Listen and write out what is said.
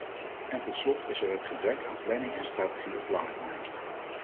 En tot slot is er het gebrek aan planning en strategie op lange termijn.